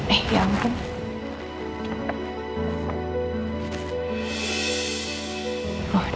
eh ya ampun